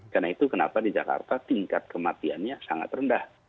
karena itu kenapa di jakarta tingkat kematiannya sangat rendah